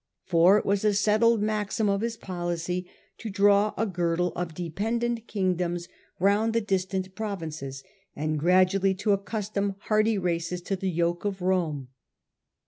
For it was a settled maxim of his policy to draw a girdle of dependent kingdoms round the distant provinces, and gradually to accustom hardy races to the yoke of Rome.